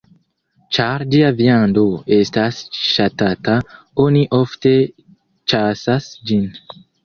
Ĉar ĝia viando estas ŝatata, oni ofte ĉasas ĝin.